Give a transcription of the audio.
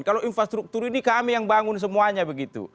kalau infrastruktur ini kami yang bangun semuanya begitu